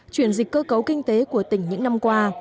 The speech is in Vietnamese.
chuyển dịch cơ cấu kinh tế của tỉnh những năm qua